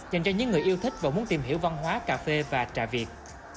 dành cho những người yêu thích và muốn tìm hiểu văn hóa cà phê và trà việt